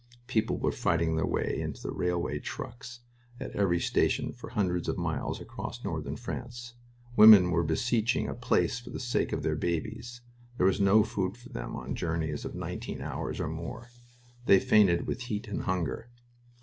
People were fighting their way into railway trucks at every station for hundreds of miles across northern France. Women were beseeching a place for the sake of their babes. There was no food for them on journeys of nineteen hours or more; they fainted with heat and hunger.